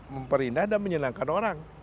memperindah dan menyenangkan orang